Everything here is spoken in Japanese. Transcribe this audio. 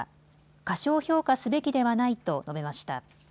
過小評価すべきではないと述べました。